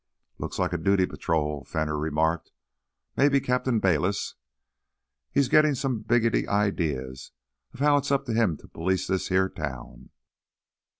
"Looks like a duty patrol," Fenner remarked. "Maybe Cap'n Bayliss. He's gittin' some biggety idear as how it's up t' him t' police this here town.